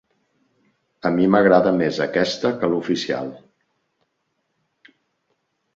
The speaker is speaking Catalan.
A mi m'agrada més aquesta que l'oficial.